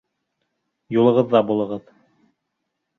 Юлығыҙҙа булығыҙ.